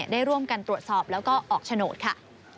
ได้ร่วมกันตรวจสอบแล้วก็ออกโฉนดค่ะ